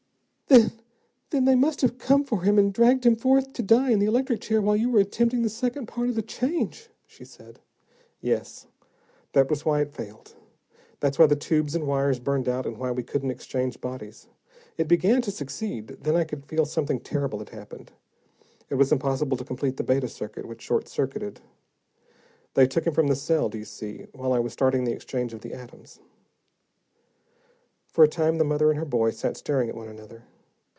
"Then then they must have come for him and dragged him forth to die in the electric chair while you were attempting the second part of the change," she said. "Yes. That was why it failed. That's why the tubes and wires burned out and why we couldn't exchange bodies. It began to succeed, then I could feel something terrible had happened. It was impossible to complete the Beta circuit, which short circuited. They took him from the cell, do you see, while I was starting the exchange of the atoms." For a time, the mother and her boy sat staring at one another.